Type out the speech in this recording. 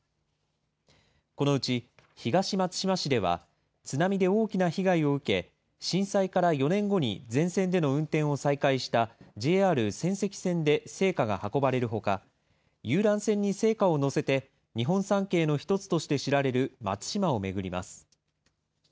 このうち、東松島市では津波で大きな被害を受け、震災から４年後に全線での運転を再開したＪＲ仙石線で聖火が運ばれるほか、遊覧船に聖火を載せて、日本三景の一つとして知られる松島を巡ります。